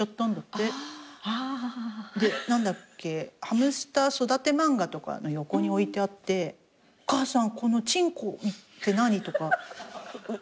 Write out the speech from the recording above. ハムスター育て漫画とかの横に置いてあって「お母さんこのちんこって何？」とか。